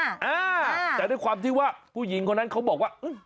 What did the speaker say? อ่าแต่ด้วยความที่ว่าผู้หญิงคนนั้นเขาบอกว่า